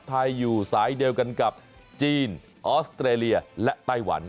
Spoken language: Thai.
ไทยอยู่สายเดียวกันกับจีนออสเตรเลียและไต้หวัน